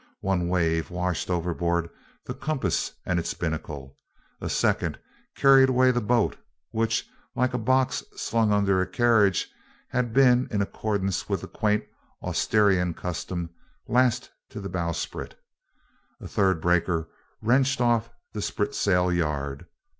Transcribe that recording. One wave washed overboard the compass and its binnacle. A second carried away the boat, which, like a box slung under a carriage, had been, in accordance with the quaint Asturian custom, lashed to the bowsprit. A third breaker wrenched off the spritsail yard.